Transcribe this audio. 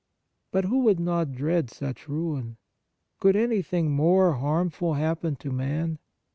But who would not dread such ruin ? Could anything more harm ful happen to man